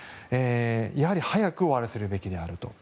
やはり早く終わらせるべきであると。